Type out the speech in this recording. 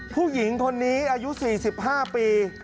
ผู้หญิงคนนี้อายุ๔๕ปี